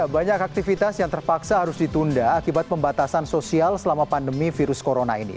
banyak aktivitas yang terpaksa harus ditunda akibat pembatasan sosial selama pandemi virus corona ini